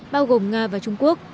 bao gồm nga và trung quốc